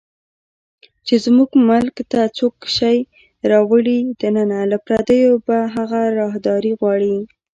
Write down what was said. چې زموږ ملک ته څوک شی راوړي دننه، له پردیو به هغه راهداري غواړي